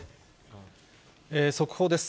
速報です。